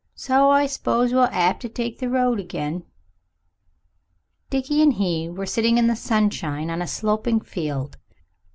So I s'pose we'll 'ave to take the road again." Dickie and he were sitting in the sunshine on a sloping field.